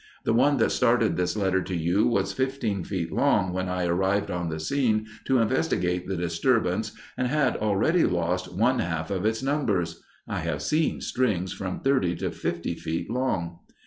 The one that started this letter to you was fifteen feet long when I arrived on the scene to investigate the disturbance and had already lost one half its numbers (I have seen strings from thirty to fifty feet long).